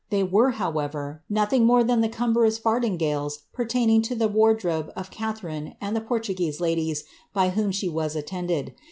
They were, however, nothing more than the cumbrous fardingalcs pertaining to the wardrobe of Catharine and the Portuguese ladies by whom she was attended.